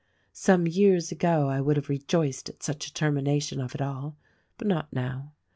Some years ago I would have rejoiced at such a termination of it all, but not now.